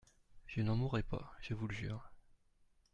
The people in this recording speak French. Je n'en mourrai pas, je vous jure.